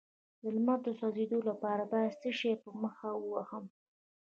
د لمر د سوځیدو لپاره باید څه شی په مخ ووهم؟